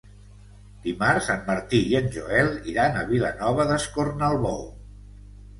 Dimarts en Martí i en Joel iran a Vilanova d'Escornalbou.